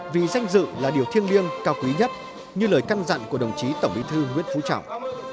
vì danh dự là điều thiêng liêng cao quý nhất như lời căn dặn của đồng chí tổng bí thư nguyễn phú trọng